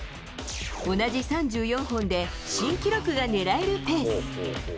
同じ３４本で新記録が狙えるペース。